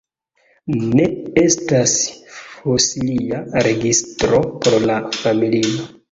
Ne estas fosilia registro por la familio.